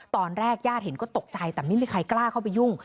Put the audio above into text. ตอนแรกญาติเห็นก็ตกใจแต่ไม่มีใครกล้าเข้าไปยุ่ง